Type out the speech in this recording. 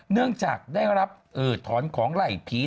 เนื่องจากได้รับถอนของไหล่ผี